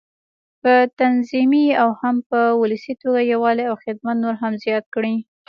په تنظيمي او هم په ولسي توګه یووالی او خدمت نور هم زیات کړي.